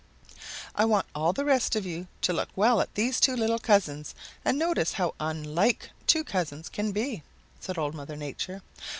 "I want all the rest of you to look well at these two little cousins and notice how unlike two cousins can be," said Old Mother Nature.